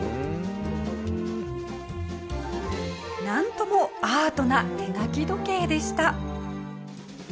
なんともアートな手書き時計でした。